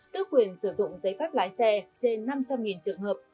tước quyền sử dụng giấy phép lái xe trên năm trăm linh trường hợp